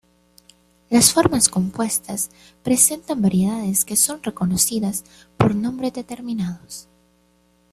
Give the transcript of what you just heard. Las formas compuestas presentan variedades que son reconocidas por nombres determinados.